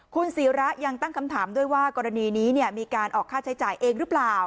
คุณศิระยังตั้งคำถามด้วยว่ากรณีนี้มีการออกค่าใช้จ่ายเองหรือเปล่า